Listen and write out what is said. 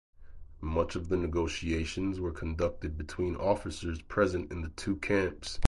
Much of the negotiations were conducted between officers present in the two camps.